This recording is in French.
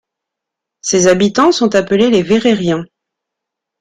Ses habitants sont appelés les Verrerians.